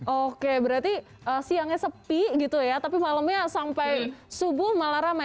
oke berarti siangnya sepi gitu ya tapi malamnya sampai subuh malah ramai